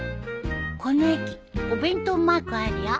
この駅お弁当マークあるよ。